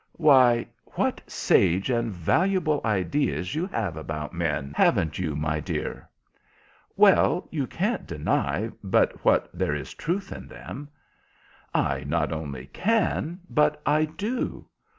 "Why, what sage and valuable ideas you have about men, haven't you, my dear?" "Well, you can't deny but what there is truth in them." "I not only can, but I do.